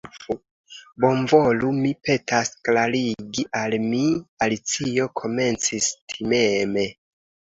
"Bonvolu, mi petas, klarigi al mi," Alicio komencis timeme.